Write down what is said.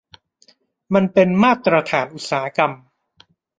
มันเป็นมาตรฐานอุตสาหกรรม